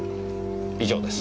以上です。